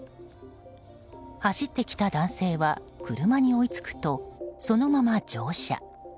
走ってきた男性は車に追いつくとそのまま乗車。